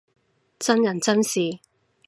真人真事